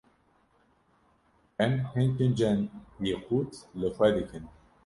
Em hin kincên pîqut li xwe dikin.